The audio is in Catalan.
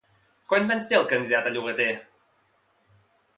Quants anys té el candidat a llogater?